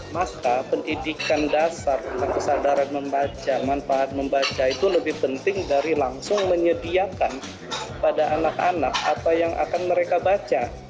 maka pendidikan dasar tentang kesadaran membaca manfaat membaca itu lebih penting dari langsung menyediakan pada anak anak apa yang akan mereka baca